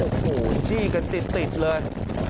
โอ้โหจี้กันติดเลย